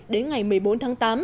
đến ngày một mươi bốn tháng tám